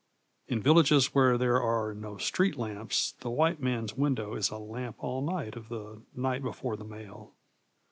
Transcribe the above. In villages where there are no street lamps, the white man's window is a lamp all night of the night before the mail.